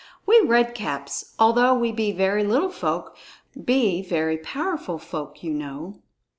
"We Red Caps, although we be very little folk, be very powerful folk, you know."